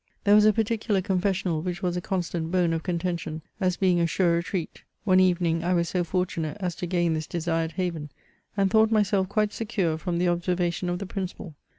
There was a particular con fessional which was a constant bone of contention, as being a sore retreat. One evening I was so fortunate as to gain this desired haven, and thought myself quite secure from the obsorvatioii of the principal.